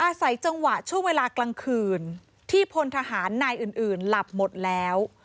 อาศัยจังหวะช่วงเวลากลางคืนที่พลทหารนายอื่นหลับหมดแล้ว